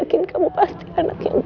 aku selalu bilang itu kemu